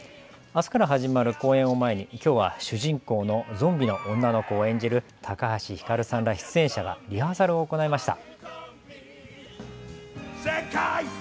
あすから始まる公演を前にきょうは主人公のゾンビの女の子を演じる高橋ひかるさんら出演者がリハーサルを行いました。